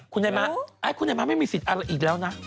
คุณใหม่มะคุณใหม่มะไม่มีสิทธิ์อะไรอีกแล้วนะ